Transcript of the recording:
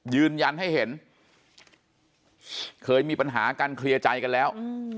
ยืนยันให้เห็นเคยมีปัญหากันเคลียร์ใจกันแล้ว